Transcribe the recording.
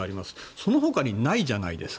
そのほかにないじゃないですか。